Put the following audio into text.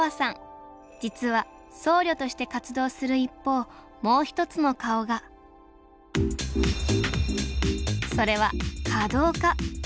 実は僧侶として活動する一方もう一つの顔がそれは華道家。